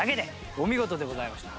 お見事でございました。